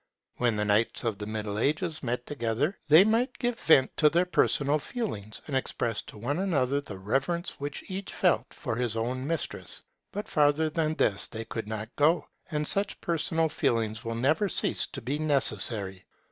When the knights of the Middle Ages met together, they might give vent to their personal feelings, and express to one another the reverence which each felt for his own mistress; but farther than this they could not go. And such personal feelings will never cease to be necessary.